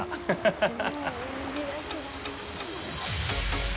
ハハハハ。